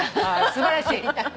素晴らしい。